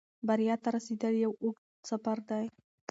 بریا ته رسېدل یو اوږد سفر دی.